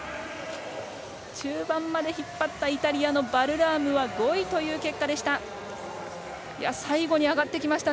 中盤まで引っ張ったイタリアのバルラームは５位という結果でした。